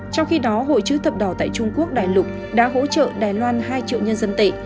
trong khi đó hội chữ thập đỏ tại trung quốc đại lục đã hỗ trợ đài loan hai triệu nhân dân tệ